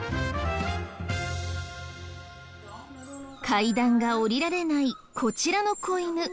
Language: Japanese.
階段が下りられないこちらの子犬。